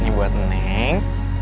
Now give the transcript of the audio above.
ini buat neng